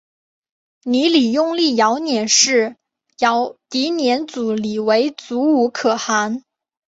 泥礼拥立遥辇氏迪辇组里为阻午可汗。